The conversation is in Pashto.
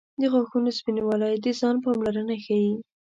• د غاښونو سپینوالی د ځان پاملرنه ښيي.